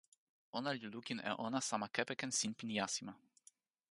ona li lukin e ona sama kepeken sinpin jasima.